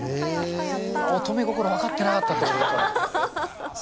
乙女心、分かってなかったってことか。